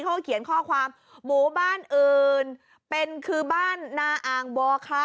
เขาก็เขียนข้อความหมู่บ้านอื่นเป็นคือบ้านนาอ่างบอคะ